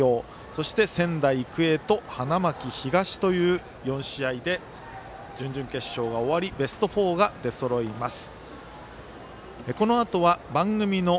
そして仙台育英と花巻東という４試合で準々決勝が終わりベスト４が出そろいます。